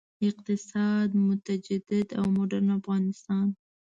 اقتصاد، متجدد او مډرن افغانستان.